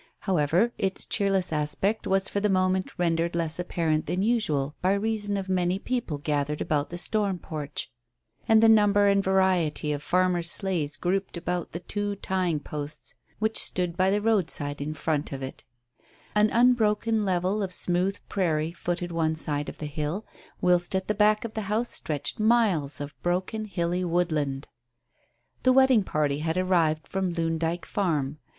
However, its cheerless aspect was for the moment rendered less apparent than usual by reason of many people gathered about the storm porch, and the number and variety of farmers' sleighs grouped about the two tying posts which stood by the roadside in front of it An unbroken level of smooth prairie footed one side of the hill, whilst at the back of the house stretched miles of broken, hilly woodland. The wedding party had arrived from Loon Dyke Farm.